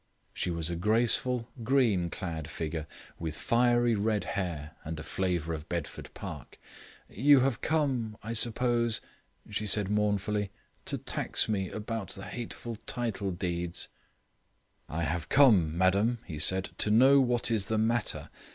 She was a graceful, green clad figure, with fiery red hair and a flavour of Bedford Park. "You have come, I suppose," she said mournfully, "to tax me about the hateful title deeds." "I have come, madam," he said, "to know what is the matter.